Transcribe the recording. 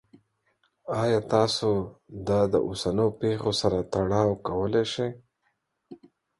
ایا تاسو دا د اوسنیو پیښو سره تړاو کولی شئ؟